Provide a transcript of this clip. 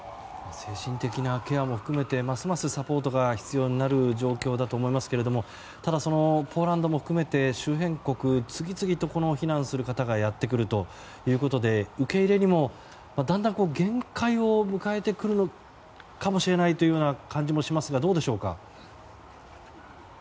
精神的なケアも含めてますますサポートが必要になる状況だと思いますけどただ、ポーランドも含めて周辺国に次々と避難する方がやってくるということで受け入れにもだんだん限界を迎えてくるかもしれないという感じもしますがどうでしょうか。